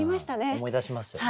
思い出しますよね。